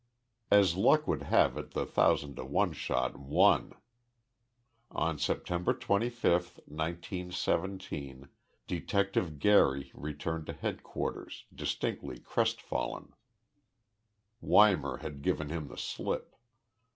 As luck would have it, the thousand to one shot won! On September 25, 1917, Detective Gary returned to headquarters, distinctly crestfallen. Weimar had given him the slip.